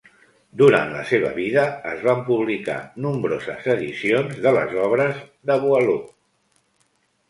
Durant la seva vida es van publicar nombroses edicions de les obres de Boileau.